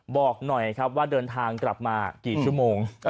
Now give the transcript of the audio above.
บอกหน่อยครับว่าเดินทางกลับมากี่ชั่วโมง